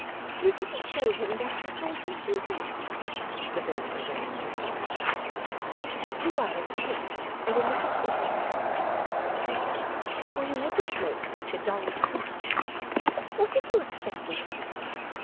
'You didn't show him that you thought even that,' Lavinia again interposed. 'You are a chit and a little idiot,' returned Bella, 'or you wouldn't make such a dolly speech. What did you expect me to do?